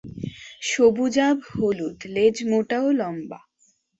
সবুজাভ-হলুদ লেজ মোটা ও লম্বা।